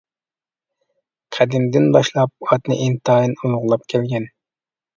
قەدىمدىن باشلاپ ئاتنى ئىنتايىن ئۇلۇغلاپ كەلگەن.